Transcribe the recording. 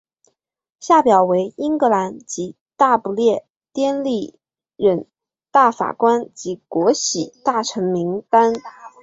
下表为英格兰及大不列颠历任大法官及国玺大臣名单。